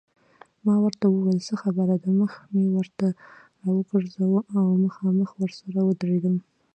ما ورته وویل څه خبره ده، مخ مې ورته راوګرځاوه او مخامخ ورسره ودرېدم.